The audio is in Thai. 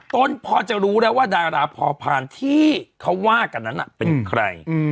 ต้นพอจะรู้แล้วว่าดาราพอพานที่เขาว่ากันนั้นเป็นใคร